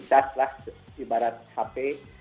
saya telah ibarat hp